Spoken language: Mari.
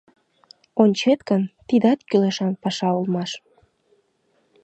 Ончет гын, тидат кӱлешан паша улмаш.